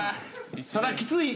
そらきつい。